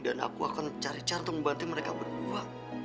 dan aku akan cari cari untuk membantu mereka berdua